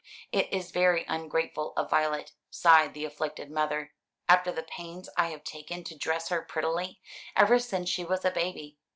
"It is very ungrateful of Violet," sighed the afflicted mother, "after the pains I have taken to dress her prettily, ever since she was a baby.